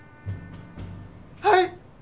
はい。